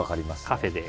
カフェで。